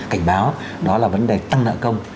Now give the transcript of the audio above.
cảnh báo đó là vấn đề tăng nợ công